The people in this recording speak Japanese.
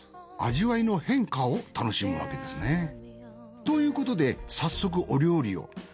味わいの変化を楽しむわけですね。ということで早速お料理を。